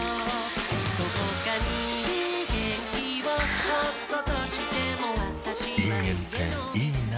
どこかに元気をおっことしてもあぁ人間っていいナ。